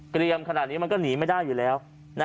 เรียมขนาดนี้มันก็หนีไม่ได้อยู่แล้ว